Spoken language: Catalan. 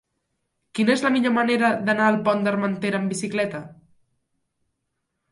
Quina és la millor manera d'anar al Pont d'Armentera amb bicicleta?